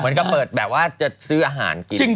มันก็เปิดแบบว่าจะซื้ออาหารกิน